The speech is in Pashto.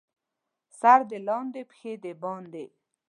سر دې لاندې، پښې دې باندې.